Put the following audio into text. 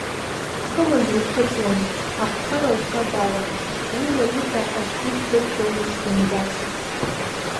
Хымыз лхыҵуан, ахшара лцәа далан, уи ла лыда аӡәгьы издырӡомызт зынӡас.